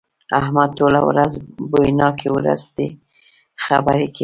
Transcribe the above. احمد ټوله ورځ بويناکې ورستې خبرې کوي.